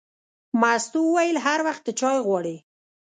مستو وویل: هر وخت ته چای غواړې.